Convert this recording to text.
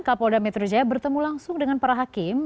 kapolda metro jaya bertemu langsung dengan para hakim